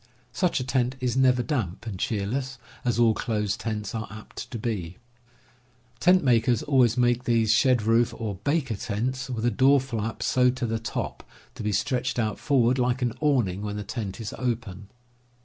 Such a tent is never damp and cheerless, as all closed tents are apt to be. Tent makers always make these shed roof or "baker" tents with a door flap sewed to the top, to be stretched out forward like an awning when the tent is open.